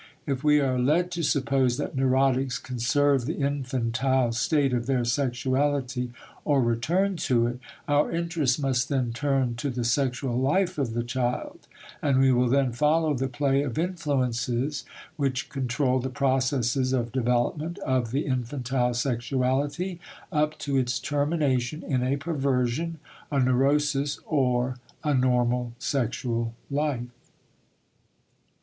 If we are led to suppose that neurotics conserve the infantile state of their sexuality or return to it, our interest must then turn to the sexual life of the child, and we will then follow the play of influences which control the processes of development of the infantile sexuality up to its termination in a perversion, a neurosis or a normal sexual life.